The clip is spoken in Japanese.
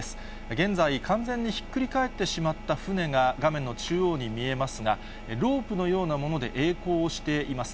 現在、完全にひっくり返ってしまった船が、画面の中央に見えますが、ロープのようなものでえい航しています。